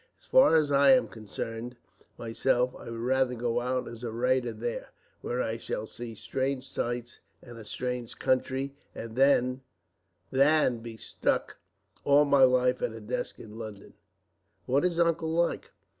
As far as I am concerned, myself, I would rather go out as a writer there, where I shall see strange sights and a strange country, than be stuck all my life at a desk in London. "What is Uncle like?"